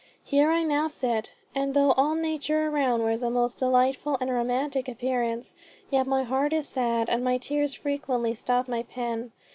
Here I now sit, and though all nature around wears a most delightful, and romantic appearance, yet my heart is sad, and my tears frequently stop my pen.